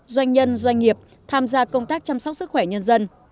doanh nhân doanh nghiệp tham gia công tác chăm sóc sức khỏe nhân dân